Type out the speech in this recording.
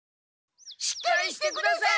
しっかりしてください！